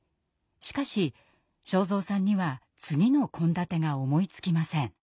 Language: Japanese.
しかし昭蔵さんには次の献立が思いつきません。